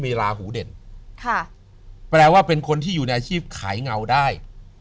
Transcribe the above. มีราหูเด่นค่ะแปลว่าเป็นคนที่อยู่ในอาชีพขายเงาได้